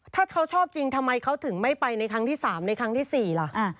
ถ้าเขาชอบจริงทำไมเขาถึงไม่ไปในครั้งที่๓ในครั้งที่๔ล่ะ